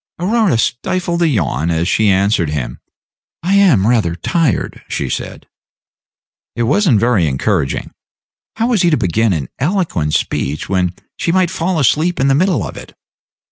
Aurora stifled a yawn as she answered him. "I am rather tired," she said. It was n't very encouraging. How was he to begin an eloquent speech, when she might fall asleep in the middle of it?